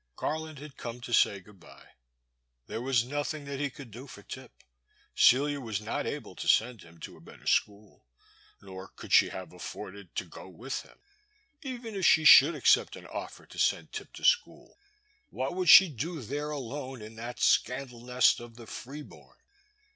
Garland had come to say good bye. There was nothing that he could do for Tip; Cdia was not able to send him to a better school, nor could she have afforded to go with him. Even if she should accept an offer to send Tip to school, what would she do there alone in that scandal nest of the free bom ?